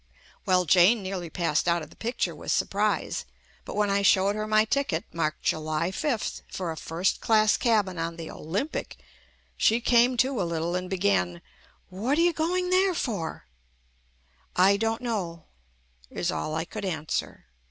Well Jane nearly passed out of the picture with surprise, but when I showed her my ticket marked July 5th for a first class cabin on the "Olympic" she came to a little and began "What are you going there for?" "I don't know," is all I could answer.